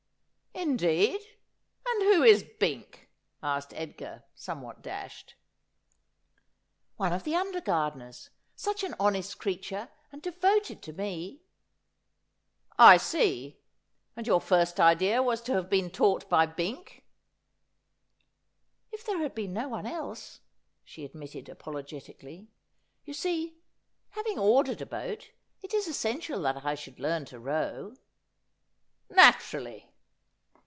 ' Indeed ! And who is Bink ?' asked Edgar, somewhat dashed. ' One of the under gardeners. Such an honest creature, and devoted to me.' ' I see ; and your first idea was to have been taught by Bink?' ' If there had been no one else,' she admitted apologetically. ' You see, having ordered a boat, it is essential that I should learn to row.' ' Naturally.'